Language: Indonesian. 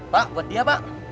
pak buat dia pak